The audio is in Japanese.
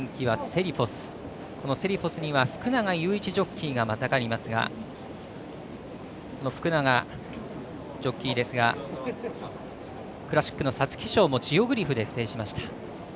セリフォスには福永祐一がまたがりますが福永ジョッキーですがクラシックの皐月賞もジオグリフで制しました。